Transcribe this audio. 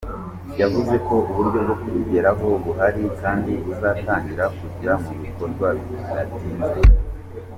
Yavuze ko uburyo bwo kubigeraho buhari kandi buzatangira kujya mu bikorwa bidatinze.